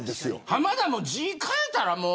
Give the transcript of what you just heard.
浜田も字変えたら。